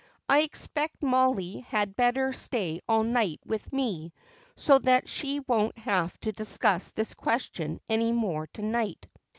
I expect Mollie had better stay all night with me so that she won't have to discuss this question any more to night."